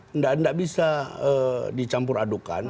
tidak bisa dicampur adukan